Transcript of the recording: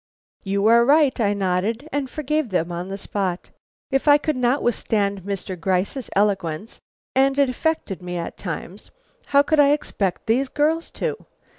"You are right," I nodded, and forgave them on the spot. If I could not withstand Mr. Gryce's eloquence and it affected me at times how could I expect these girls to.